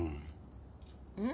うん。